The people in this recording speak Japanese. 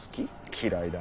嫌いだ。